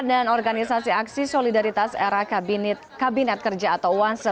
dan organisasi aksi solidaritas era kabinet kerja atau wanse